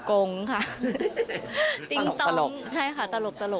ตรงตลก